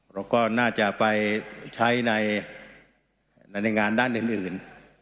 เราก็น่าจะไปใช้ในงานด้านอื่น